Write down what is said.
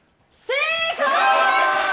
正解です！